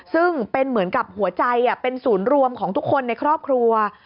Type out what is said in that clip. ซึ่งเป็นเหมือนกับหัวใจเป็นศูนย์รวมของทุกคนในครอบครัว